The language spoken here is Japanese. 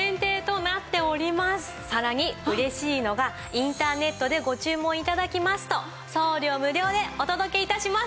さらに嬉しいのがインターネットでご注文頂きますと送料無料でお届け致します！